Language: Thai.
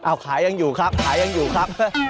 เอาขายังอยู่ครับขายังอยู่ครับ